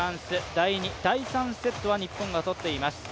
第２、第３セットは日本がとっています。